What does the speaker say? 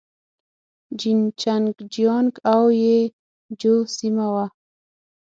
جين چنګ جيانګ او يي جو سيمه وه.